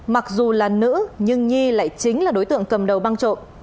mặc dù là nữ nhưng nhi lại chính là đối tượng cầm đầu băng trộm